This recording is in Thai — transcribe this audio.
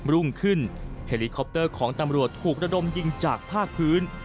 รุ่งขึ้นเฮลิคอปเตอร์ของตำรวจถูกระดมยิงจากภาคพื้น